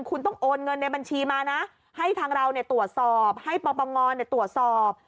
คุณต้องโอนเงินในบัญชีมานะให้ทางเราตรวจสอบให้ปปงตรวจสอบ